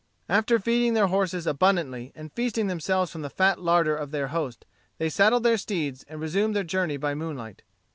After feeding their horses abundantly and feasting themselves from the fat larder of their host, they saddled their steeds and resumed their journey by moonlight.